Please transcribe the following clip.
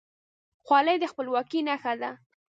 خولۍ د خپلواکۍ نښه ده.